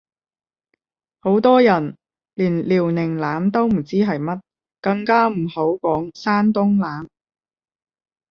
好多人連遼寧艦都唔知係乜，更加唔好講山東艦